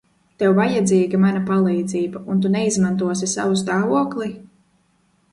Tev vajadzīga mana palīdzība, un tu neizmantosi savu stāvokli?